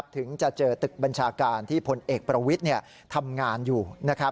ถึงจะเจอตึกบัญชาการที่พลเอกประวิทย์ทำงานอยู่